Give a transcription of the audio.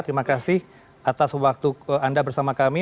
terima kasih atas waktu anda bersama kami